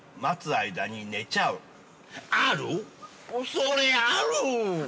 それある！